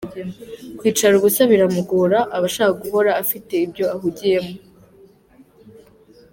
Kwicara ubusa biramugora abashaka guhora afite ibyo ahugiyemo.